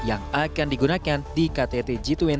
yang akan digunakan di ktt g dua puluh